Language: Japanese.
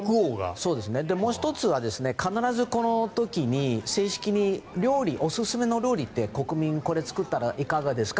もう１つがですね必ずこの時に正式に、おすすめの料理ってこれを作ったらいかがですか？